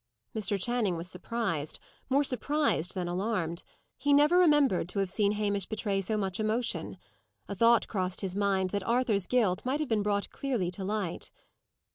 Mr. Channing was surprised; more surprised than alarmed. He never remembered to have seen Hamish betray so much emotion. A thought crossed his mind that Arthur's guilt might have been brought clearly to light.